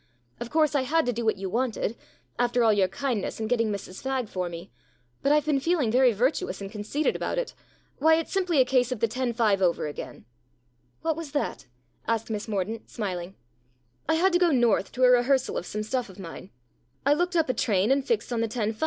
Of course, I had to do what you wanted after all your kindness in getting Mrs Fagg for me; but I've been feeling very virtuous and conceited about it. Why, it's simply a case of the 10.5 over again." "What was that?" asked Miss Mordaunt, smiling. " I had to go North to a rehearsal of some stuff of mine. I looked up a train, and fixed on the 10.5.